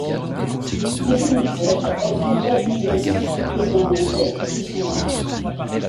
Devenue veuve, elle vivait isolée, payant les dettes de son mari.